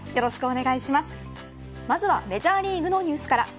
まずはメジャーリーグのニュースから。